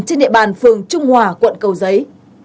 trên địa bàn phường trung hòa quận cầu giấy